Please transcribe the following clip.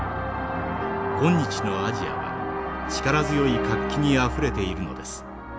今日のアジアは力強い活気にあふれているのです。